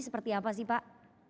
seperti apa sih pak